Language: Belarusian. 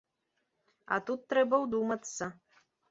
А тут трэба ўдумацца.